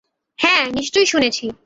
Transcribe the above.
হ্যাঁ, নিশ্চয়ই শুনেছি।